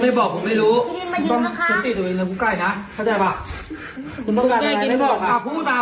ไม่บอกผมไม่รู้ไม่ยินนะคะถ้าได้ป่ะไม่บอกอะพูดมา